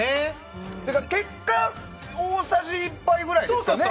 結果大さじ１杯ぐらいですね。